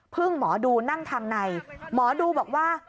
หมอดูนั่งทางในหมอดูบอกว่า